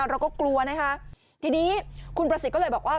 เราก็กลัวนะคะทีนี้คุณประสิทธิ์ก็เลยบอกว่า